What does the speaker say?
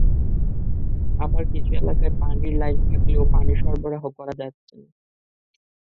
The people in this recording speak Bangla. আবার কিছু এলাকায় পানির লাইন থাকলেও পানি সরবরাহ করা হচ্ছে না।